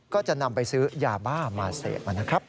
ก็จะนำไปซื้อยาบ้ามาเสพนะครับ